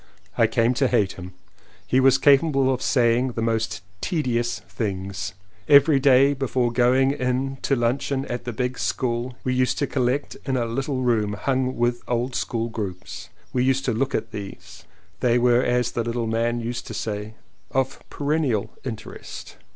I came to hate him. He was capable of saying the most tedious things. Every day before going in to luncheon at the big school we used to collect in a little room hung with old school groups. We used to look at these : they were as the little man used to say "of perennial interest."